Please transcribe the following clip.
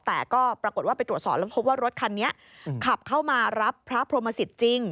แต่ก็ปรากฏว่าไปตรวจสอบแล้วพบว่ารถคันนี้ขับเข้ามารับพระพรหมสิทธิ์จริง